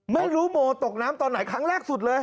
โมตกน้ำตอนไหนครั้งแรกสุดเลย